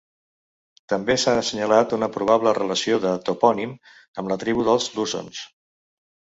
També s'ha assenyalat una probable relació del topònim amb la tribu dels lusons.